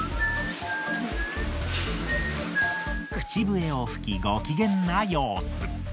口笛を吹きごきげんな様子。